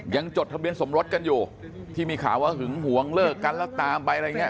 จดทะเบียนสมรสกันอยู่ที่มีข่าวว่าหึงหวงเลิกกันแล้วตามไปอะไรอย่างนี้